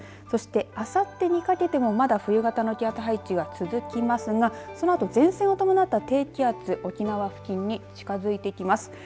そして、あさってにかけてもまだ冬型の気圧配置が続きますがそのあと前線を伴った低気圧沖縄付近に近づいてきます。